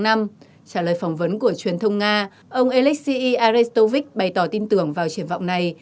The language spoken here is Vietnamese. trả lời phỏng vấn của truyền thông nga ông alexey arestovych bày tỏ tin tưởng vào triển vọng này